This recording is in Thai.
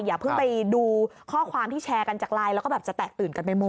อย่าเพิ่งไปดูข้อความที่แชร์กันจากไลน์แล้วก็แบบจะแตกตื่นกันไปหมด